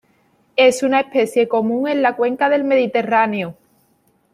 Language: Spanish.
Es una especie común en la cuenca del Mediterráneo.